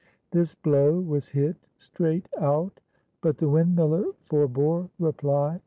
This blow was hit straight out, but the windmiller forbore reply.